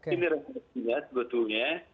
ini respektinya sebetulnya